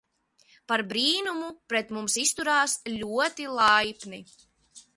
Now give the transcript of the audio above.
Par brīnumu pret mums izturās ļoti laipni.